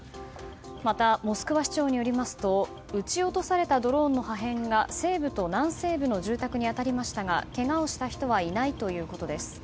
また、モスクワ市長によりますと撃ち落とされたドローンの破片が西部と南西部の住宅に当たりましたがけがをした人はいないということです。